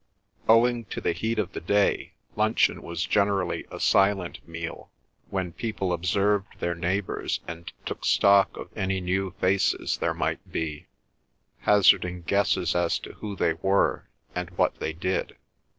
Owing to the heat of the day, luncheon was generally a silent meal, when people observed their neighbors and took stock of any new faces there might be, hazarding guesses as to who they were and what they did.